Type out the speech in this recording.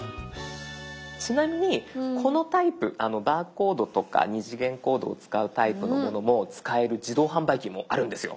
ちなみにこのタイプバーコードとか二次元コードを使うタイプのものも使える自動販売機もあるんですよ。